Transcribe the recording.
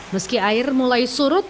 meski air mulai surut